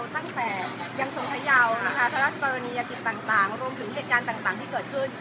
ตั้งแต่ยังทรงพยาวนะคะพระราชกรณียกิจต่างรวมถึงเหตุการณ์ต่างที่เกิดขึ้น